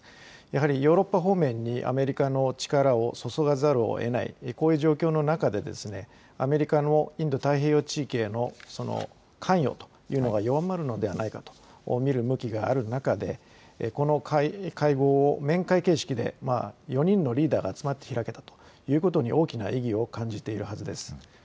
やはりヨーロッパ方面にアメリカの力を注がざるをえない、こういう状況の中で、アメリカのインド太平洋地域への関与というのが弱まるのではないかと見る向きがある中で、この会合を面会形式で、４人のリーダーが集まって開けたということに、大きな意義を感じているはずです。